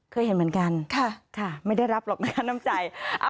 เคยเห็นเหมือนกันไม่ได้รับหรอกนะคะน้ำใจ